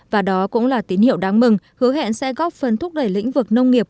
và đó cũng là tín hiệu đáng mừng hứa hẹn sẽ góp phần thúc đẩy lĩnh vực nông nghiệp